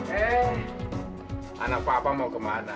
eh anak papa mau kemana